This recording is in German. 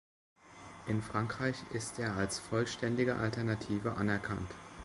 In Frankreich ist er als vollständige Alternative anerkannt.